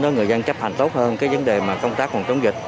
người dân chấp hành tốt hơn vấn đề công tác còn chống dịch